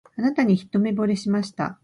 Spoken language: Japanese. あなたに一目ぼれしました